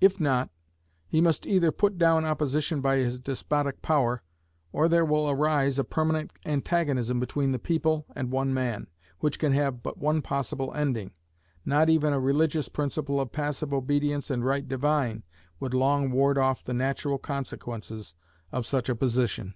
If not, he must either put down opposition by his despotic power, or there will arise a permanent antagonism between the people and one man, which can have but one possible ending. Not even a religious principle of passive obedience and "right divine" would long ward off the natural consequences of such a position.